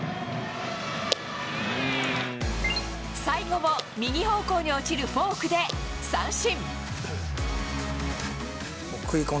最後も右方向に落ちるフォークで三振。